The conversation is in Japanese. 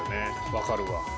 分かるわ。